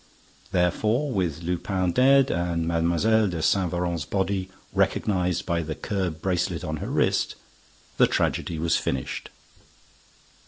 Therefore, with Lupin dead and Mlle. de Saint Véran's body recognized by the curb bracelet on her wrist, the tragedy was finished.